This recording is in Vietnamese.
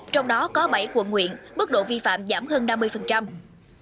trong đó có bảy quận huyện bức độ vi phạm giảm hơn năm mươi